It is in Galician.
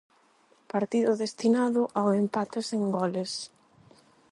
Partido destinado ao empate sen goles.